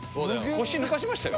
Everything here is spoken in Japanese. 腰抜かしましたよ。